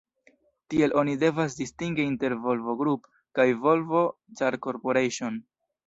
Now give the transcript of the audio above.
Tiel oni devas distingi inter "Volvo Group" kaj "Volvo Car Corporation".